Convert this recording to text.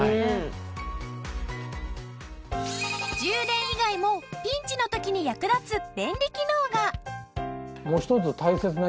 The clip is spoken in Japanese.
充電以外もピンチの時に役立つ便利機能が！